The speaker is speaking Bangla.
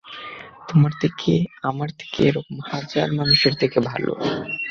তোমার থেকে, আমার থেকে, এরকম হাজার মানুষের থেকে ভালো।